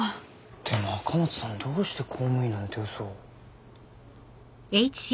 でも赤松さんどうして公務員なんて嘘を？